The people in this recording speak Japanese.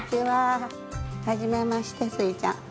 はじめましてスイちゃん。